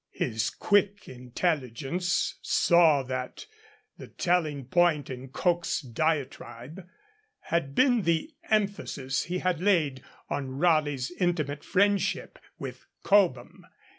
His quick intelligence saw that the telling point in Coke's diatribe had been the emphasis he had laid on Raleigh's intimate friendship with Cobham.